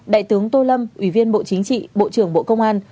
đại tướng tô lâm ủy viên bộ chính trị bộ trưởng bộ công an